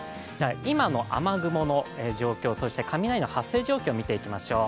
今の雨雲の状況、そして雷の発生状況を見ていきましょう。